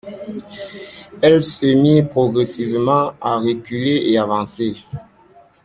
Elles se mirent progressivement à reculer et avancer.